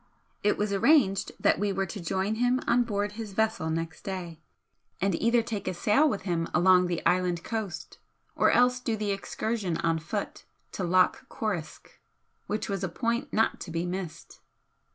It was arranged that we were to join him on board his vessel next day, and either take a sail with him along the island coast or else do the excursion on foot to Loch Coruisk, which was a point not to be missed.